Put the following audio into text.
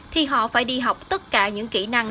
thì họ phải đi học tất cả những kỹ năng